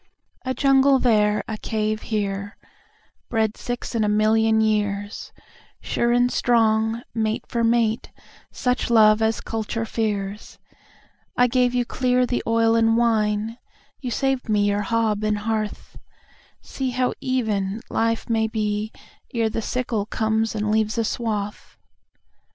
A jungle there, a cave here, bred sixAnd a million years, Sure and strong, mate for mate, suchLove as culture fears;I gave you clear the oil and wine; You saved me your hob and hearth—See how even life may be ere theSickle comes and leaves a swath.